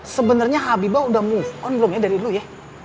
sebenarnya habibah udah move on belum ya dari dulu ya